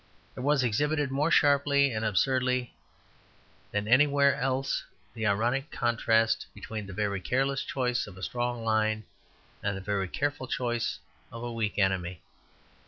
There was exhibited more sharply and absurdly than anywhere else the ironic contrast between the very careless choice of a strong line and the very careful choice of a weak enemy.